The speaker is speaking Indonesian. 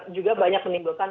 juga banyak menimbulkan